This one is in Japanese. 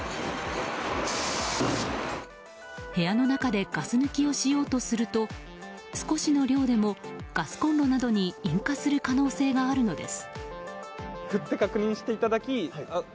部屋の中でガス抜きをしようとすると少しの量でもガスコンロなどに引火する可能性があるのです。